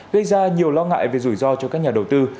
gây ra nhiều lo ngại về rủi ro cho các nhà đầu tư